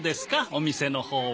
お店のほうは。